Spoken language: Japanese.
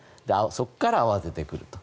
そこから慌ててくると。